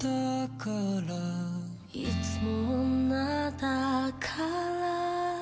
「いつも女だから」